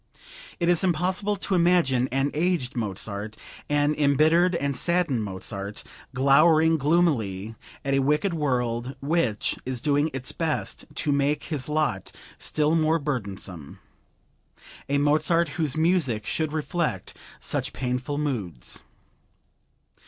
It is impossible to imagine an aged Mozart, an embittered and saddened Mozart, glowering gloomily at a wicked world which is doing its best to make his lot still more burdensome; a Mozart whose music should reflect such painful moods.